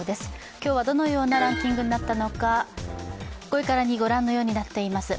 今日はどのようなランキングになったのか５位から２位、ご覧のようになっています。